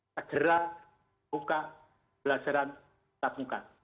daerah buka pelajaran tetap buka